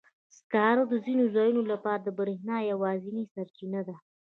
سکاره د ځینو ځایونو لپاره د برېښنا یوازینی سرچینه ده.